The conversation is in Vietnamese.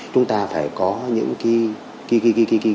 chúng ta phải có những cái